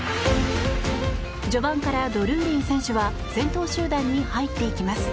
序盤からドルーリー選手は先頭集団に入っていきます。